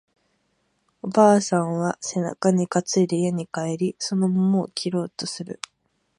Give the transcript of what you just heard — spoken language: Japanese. おばあさんは背中に担いで家に帰り、その桃を切ろうとする